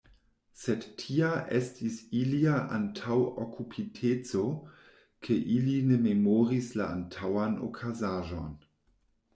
Sed tia estis ilia antaŭokupiteco, ke ili ne memoris la antaŭan okazaĵon.